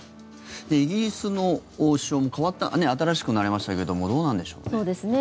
イギリスの首相も代わった新しくなりましたけどもどうなんでしょうね。